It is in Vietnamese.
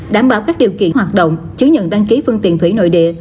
đảm bảo các điều kiện hoạt động chứng nhận đăng ký phương tiện thủy nội địa